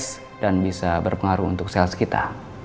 fresh dan bisa berpengaruh untuk sales kita